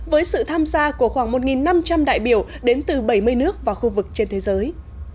với sự tham gia của khoảng một năm trăm linh đại biểu đến từ bảy mươi nước và khu vực trên thế giới